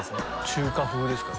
中華風ですか？